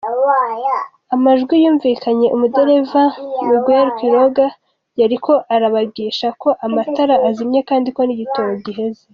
Amajwiyumvikanye, umudereva, Miguel Quiroga yariko aragabisha ko "amatara azimye" kandi ko "n'igitoro giheze".